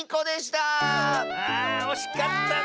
あおしかったね。